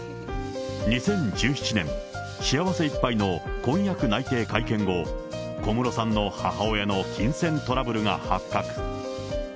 ２０１７年、幸せいっぱいの婚約内定会見後、小室さんの母親の金銭トラブルが発覚。